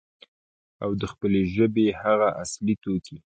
او د خپلې ژبې هغه اصلي توکي،